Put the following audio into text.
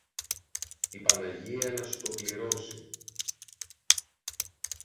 Η Παναγία να σου το πληρώσει!